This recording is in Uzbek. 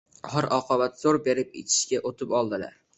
Oxir-oqibat zo‘r berib ichishga o‘tib oldilar